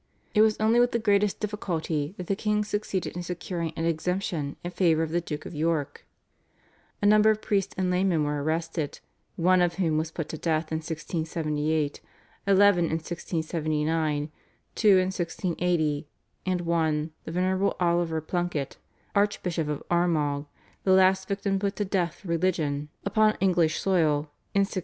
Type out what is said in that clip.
It was only with the greatest difficulty that the king succeeded in securing an exemption in favour of the Duke of York. A number of priests and laymen were arrested, one of whom was put to death in 1678, eleven in 1679, two in 1680 and one, the Venerable Oliver Plunket, Archbishop of Armagh, the last victim put to death for religion upon English soil, in 1681.